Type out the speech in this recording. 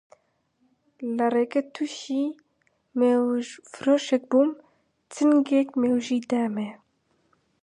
لە ڕێگە تووشی مێوژفرۆشێک بووم، چنگێک مێوژێ دامێ